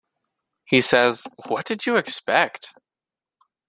He says, What did you expect?